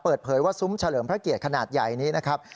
เปิดเผยว่าซุ้มเฉลิมพระเกียรติขนาดใหญ่นี้นะครับ